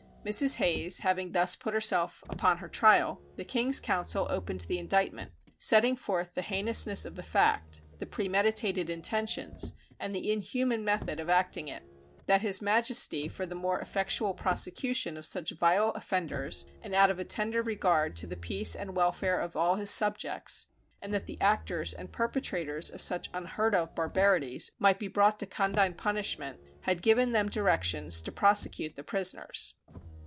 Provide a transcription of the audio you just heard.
Mrs. Hayes having thus put herself upon her trial, the King's Counsel opened the indictment, setting forth the heinousness of the fact, the premeditated intentions, and inhuman method of acting it; that his Majesty for the more effectual prosecution of such vile offenders, and out of a tender regard to the peace and welfare of all his subjects, and that the actors and perpetrators of such unheard of barbarities might be brought to condign punishment, had given them directions to prosecute the prisoners.